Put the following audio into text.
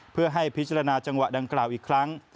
เพื่อให้พิจารณาจังหวะดังกล่าวอีกครั้ง